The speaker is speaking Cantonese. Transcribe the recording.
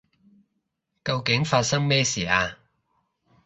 究竟發生咩事啊？